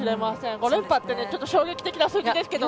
５連覇ってちょっと衝撃的な数字ですけどね。